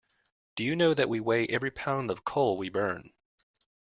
Do you know that we weigh every pound of coal we burn.